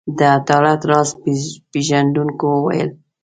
د عدالت راز پيژندونکو وویل.